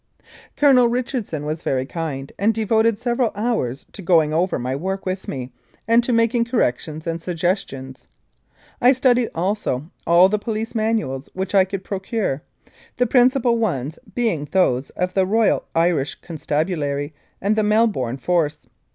Colonel Richardson was very kind, and devoted several hours to going over my work with me and to making corrections and suggestions. I studied also all the police manuals which I could procure, the principal ones being those of the Royal Irish Constabulary and the Melbourne Force.